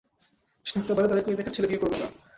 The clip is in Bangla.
সে থাকতে পারে, তাদের কেউই বেকার ছেলে বিয়ে করবে না।